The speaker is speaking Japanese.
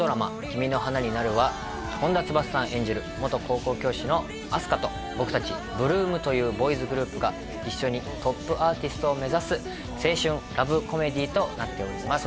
「君の花になる」は本田翼さん演じる元高校教師のあす花と僕達８ＬＯＯＭというボーイズグループが一緒にトップアーティストを目指す青春ラブコメディーとなっております